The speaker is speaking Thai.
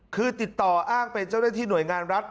คือติดต่ออ้างเป็นเจ้าหน้าที่หน่วยงานรัฐ